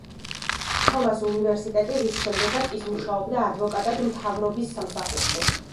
თომას უნივერსიტეტი, რის შემდეგაც ის მუშაობდა ადვოკატად მთავრობის სამსახურში.